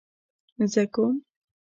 زه کوم